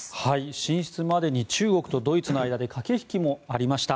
進出までに中国とドイツの間で駆け引きもありました。